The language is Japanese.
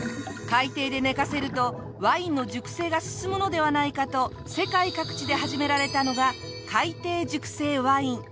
海底で寝かせるとワインの熟成が進むのではないかと世界各地で始められたのが。